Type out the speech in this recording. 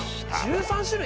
１３種類？